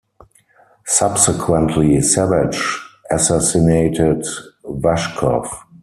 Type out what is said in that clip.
Subsequently, Savage assassinated Vashkov.